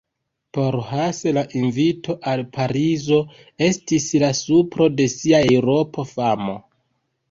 Por Hasse la invito al Parizo estis la supro de sia Eŭropa famo.